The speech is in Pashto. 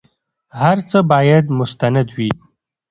هر څه بايد مستند وي.